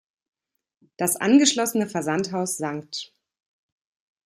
Das angeschlossene Versandhaus „St.